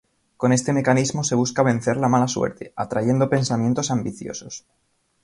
Con este mecanismo se busca vencer la mala suerte, atrayendo pensamientos ambiciosos.